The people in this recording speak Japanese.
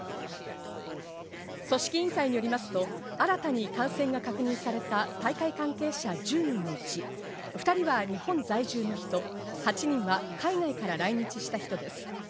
組織委員会によりますと、新たに感染が確認された大会関係者１０人のうち２人は日本在住の人、８人は海外から来日した人です。